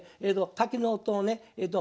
滝の音をね